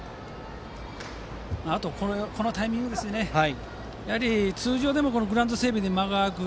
あと、このタイミング通常でもグラウンド整備で間が空く。